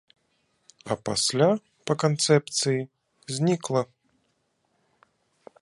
А пасля, па канцэпцыі, знікла.